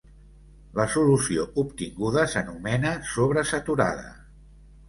La solució obtinguda s’anomena sobresaturada.